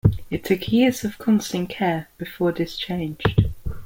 It took years of constant care before this changed.